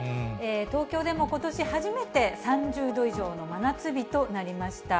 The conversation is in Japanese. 東京でもことし初めて、３０度以上の真夏日となりました。